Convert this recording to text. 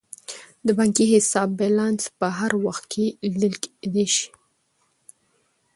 د بانکي حساب بیلانس په هر وخت کې لیدل کیدی شي.